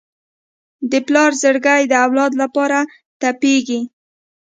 د پلار زړګی د اولاد لپاره تپېږي.